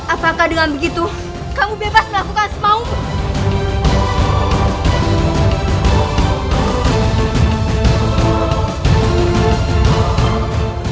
apakah dengan begitu kamu bebas melakukan semua umur